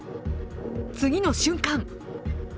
次の瞬間！